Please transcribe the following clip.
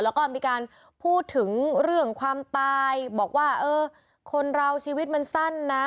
แล้วก็มีการพูดถึงเรื่องความตายบอกว่าเออคนเราชีวิตมันสั้นนะ